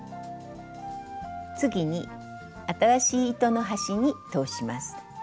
次に新しい糸の端に通します。